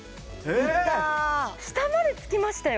いったー下までつきましたよ